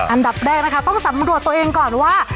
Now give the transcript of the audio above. อันดับแรกนะคะต้องสำรวจตัวเองก่อนว่า